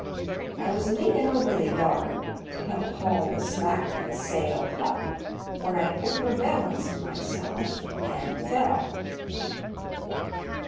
I was leanin* over the yard to help haul the slack o' th' sail hup when I overbalanced myself and fell.